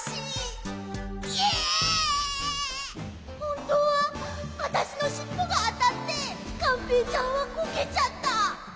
こころのこえほんとうはあたしのしっぽがあたってがんぺーちゃんはこけちゃった。